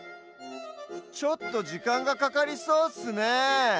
ちょっとじかんがかかりそうッスねえ。